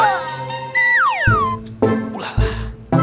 lu kan pikir pikir dulu deh